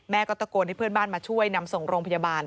ก็ตะโกนให้เพื่อนบ้านมาช่วยนำส่งโรงพยาบาล